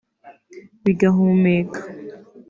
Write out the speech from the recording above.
bigahumeka